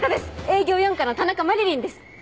営業四課の田中麻理鈴です。